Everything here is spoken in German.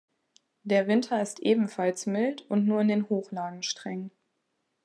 Der Winter ist ebenfalls mild und nur in den Hochlagen streng.